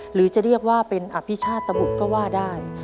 หรือจะเรียกว่าเป็นอภิชาตบุตรก็ว่าได้